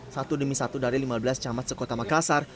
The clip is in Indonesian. satu demi satu dari lima belas camat sekota makassar